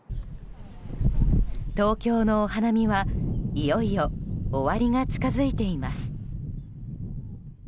東京のお花見は、いよいよ終わりが近づいています。